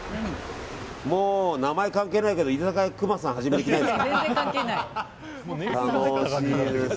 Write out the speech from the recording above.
もう名前関係ないけど居酒屋くまさん始めないですか？